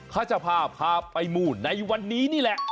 เขาจะพาพาไปมูลในวันนี้นี่แหละ